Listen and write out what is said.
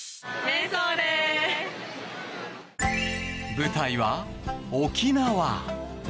舞台は沖縄。